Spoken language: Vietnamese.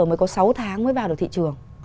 mới có sáu tháng mới vào được thị trường